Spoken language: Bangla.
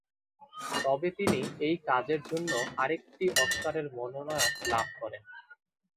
তবে তিনি এই কাজের জন্য আরেকটি অস্কারের মনোনয়ন লাভ করেন।